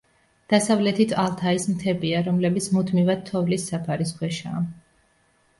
დასავლეთით ალთაის მთებია, რომელიც მუდმივად თოვლის საფარის ქვეშაა.